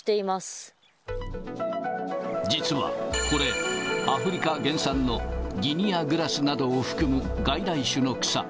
実はこれ、アフリカ原産のギニアグラスなどを含む外来種の草。